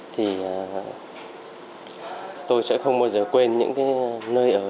tôi sẽ không bao giờ quên những nơi ở